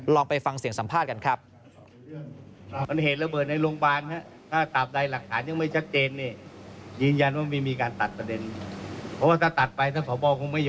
ไปฟังเสียงสัมภาษณ์กันครับ